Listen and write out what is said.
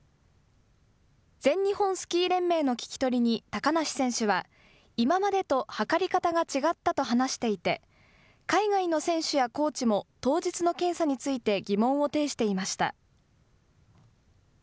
全日本スキー連盟の聞き取りに高梨選手は、今までと測り方が違ったと話していて、海外の選手やコーチも当日の検査について疑問を呈していました。